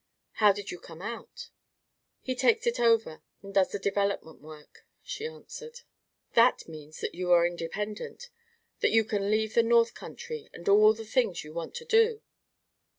"How did you come out?" "He takes it over, and does the development work," she answered. "That means that you are independent; that you can leave the North Country and do all the things you want to do?"